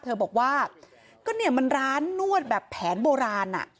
เธอบอกว่าก็เนี่ยมันร้านนวดแบบแผนโบราณอ่ะ